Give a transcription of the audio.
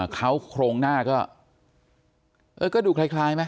เขาโครงหน้าก็ดูคล้ายไหม